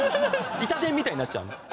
イタ電みたいになっちゃうの。